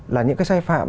là những cái sai phạm